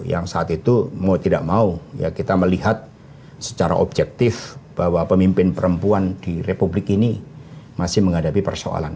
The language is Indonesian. yang saat itu mau tidak mau kita melihat secara objektif bahwa pemimpin perempuan di republik ini masih menghadapi persoalan